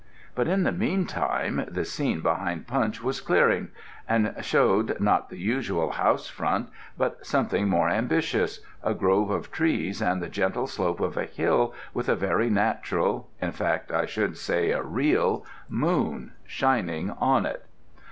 But in the meantime the scene behind Punch was clearing, and showed, not the usual house front, but something more ambitious a grove of trees and the gentle slope of a hill, with a very natural in fact, I should say a real moon shining on it.